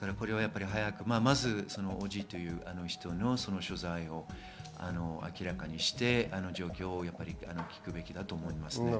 まず伯父という人の所在を明らかにして状況を聞くべきだと思いますね。